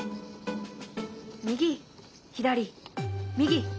右左右左。